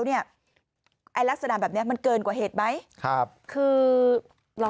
คิดดูนะว่าข้าวเสียหายเท่าไหร่